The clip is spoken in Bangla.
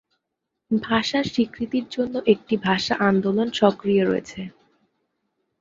ভাষার স্বীকৃতির জন্য একটি ভাষা আন্দোলন সক্রিয় রয়েছে।